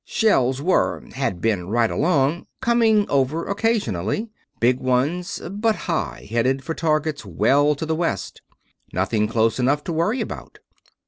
Shells were had been, right along coming over occasionally. Big ones, but high; headed for targets well to the west. Nothing close enough to worry about.